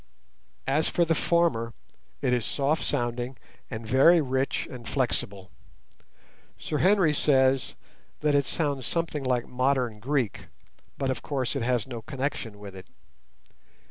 As for the former, it is soft sounding, and very rich and flexible. Sir Henry says that it sounds something like modern Greek, but of course it has no connection with it.